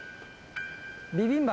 ビビンバ。